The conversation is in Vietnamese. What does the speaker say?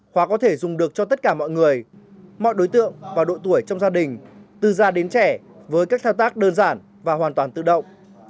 khóa có thể dùng được cho tất cả mọi người mọi đối tượng và độ tuổi trong gia đình từ già đến trẻ với các thao tác đơn giản và hoàn toàn tự động